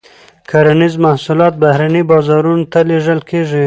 کرنیز محصولات بهرنیو بازارونو ته لیږل کیږي.